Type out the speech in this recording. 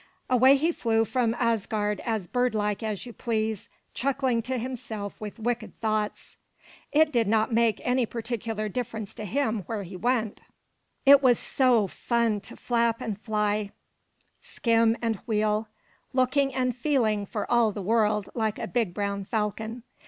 Away he flew from Asgard as birdlike as you please, chuckling to himself with wicked thoughts. It did not make any particular difference to him where he went. It was such fun to flap and fly, skim and wheel, looking and feeling for all the world like a big brown falcon.